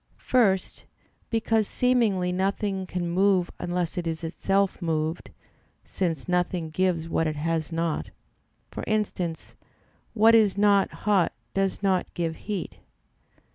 First, because seemingly nothing can move unless it is itself moved, since nothing gives what it has not; for instance, what is not hot does not give heat.